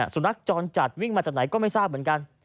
สุนัขจรจัดวิ่งมาจากไหนก็ไม่ทราบเหมือนกัน